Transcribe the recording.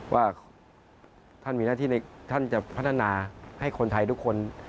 ว่าท่านมีหน้าที่ท่านจะพัฒนาให้คนไทยทุกคน